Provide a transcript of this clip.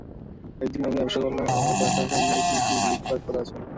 একদিন আমি আবিষ্কার করলাম, আমার বাসার সামনে একটি নতুন বাইক পার্ক করা আছে।